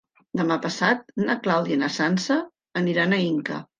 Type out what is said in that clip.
Demà passat na Clàudia i na Sança aniran a Inca.